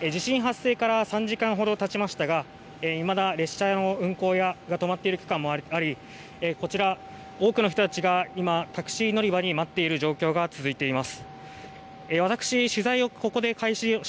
地震発生から３時間ほどたちましたがいまだ列車の運行が止まっている区間もありこちら、多くの人たちが今、タクシー乗り場で待っている状況が続いています。